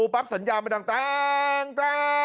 กะลาวบอกว่าก่อนเกิดเหตุ